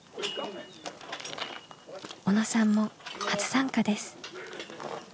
小野さんも初参加です。